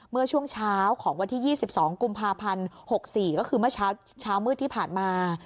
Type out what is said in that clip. เมื่อช่วงเช้าของวันที่ยี่สิบสองกุมภาพันธ์หกสี่ก็คือเมื่อเช้าเช้ามืดที่ผ่านมา